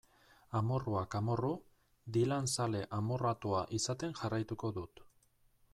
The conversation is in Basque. Amorruak amorru, Dylan zale amorratua izaten jarraituko dut.